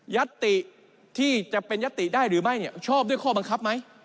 ัตติที่จะเป็นยัตติได้หรือไม่ชอบด้วยข้อบังคับไหม